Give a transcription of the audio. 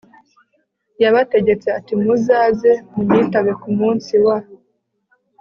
yabategetse ati Muzaze munyitabe ku munsi wa